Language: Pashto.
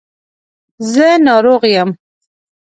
زه ناروغ یم